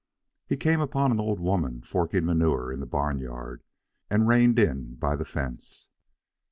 He came upon an old woman forking manure in the barnyard, and reined in by the fence.